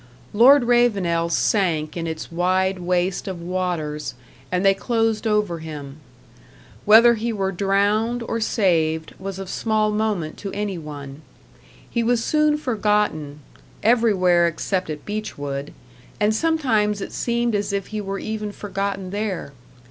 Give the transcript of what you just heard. Lord Ravenel sank in its wide waste of waters, and they closed over him. Whether he were drowned or saved was of small moment to any one. He was soon forgotten everywhere except at Beechwood; and sometimes it seemed as if he were even forgotten there.